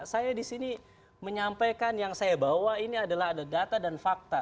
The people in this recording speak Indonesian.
saya disini menyampaikan yang saya bawa ini adalah ada data dan fakta